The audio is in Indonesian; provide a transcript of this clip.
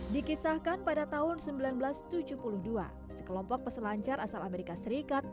dikisahkan pada tahun seribu sembilan ratus tujuh puluh dua sekelompok peselancar asal amerika serikat